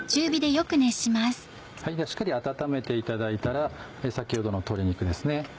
ではしっかり温めていただいたら先ほどの鶏肉ですね。